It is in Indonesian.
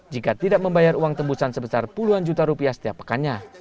jika tidak membayar uang tembusan sebesar puluhan juta rupiah setiap pekannya